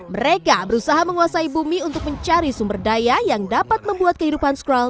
mereka berusaha menguasai bumi untuk mencari sumber daya yang dapat membuat kehidupan scrul